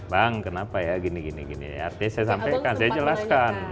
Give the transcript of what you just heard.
bang kenapa ya gini gini artinya saya sampaikan saya jelaskan